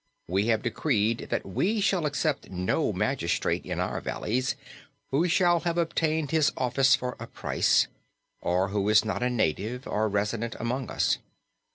We have decreed that we shall accept no magistrate in our valleys who shall have obtained his office for a price, or who is not a native or resident among us.